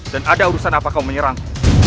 dan ada urusan apa kau menyerang